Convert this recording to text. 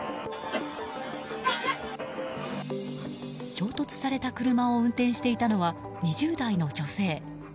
衝突された車を運転していたのは２０代の女性。